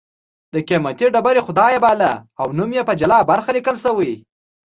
د قېمتي ډبرې خدای یې باله او نوم یې په جلا برخه لیکل شوی